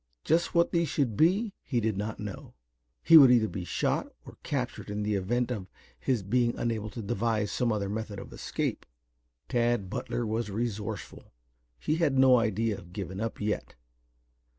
Just what these should be he did not know. He would either be shot or captured in the event of his being unable to devise some other method of escape. Tad Butler was resourceful. He had no idea of giving up yet.